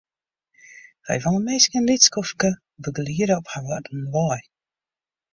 Wy wolle minsken in lyts skoftsje begeliede op harren wei.